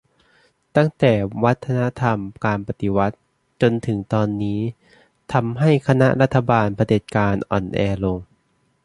ตั้งแต่วัฒนธรรมการปฎิวัติจนถึงตอนนี้ทำให้คณะรัฐบาลเผด็จการอ่อนแอลง